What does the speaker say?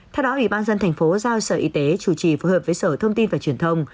theo đó ủy ban nhân dân tp hcm giao sở y tế chủ trì phù hợp với sở thông tin và truyền thông